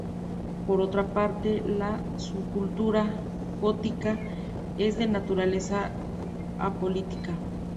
Por otra parte, la subcultura gótica es de naturaleza apolítica.